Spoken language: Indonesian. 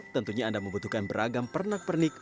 tentunya anda membutuhkan beragam pernak pernik